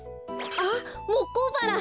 あっモッコウバラ！